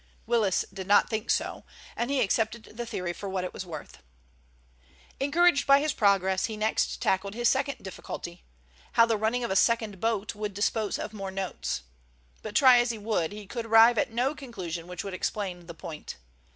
Willis did not think so, and he accepted the theory for what it was worth. Encouraged by his progress, he next tackled his second difficulty—how the running of a second boat would dispose of more notes. But try as he would he could arrive at no conclusion which would explain the point.